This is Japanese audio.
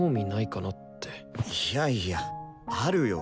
いやいやあるよ！